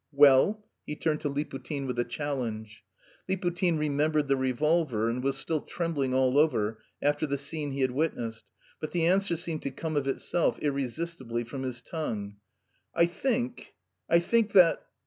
"Well?" He turned to Liputin with a challenge. Liputin remembered the revolver and was still trembling all over after the scene he had witnessed; but the answer seemed to come of itself irresistibly from his tongue: "I think... I think that..."